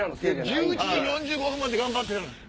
１１時４５分まで頑張ってたのよ